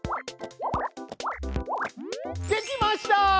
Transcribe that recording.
できました！